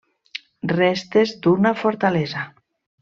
Restes d'una fortalesa.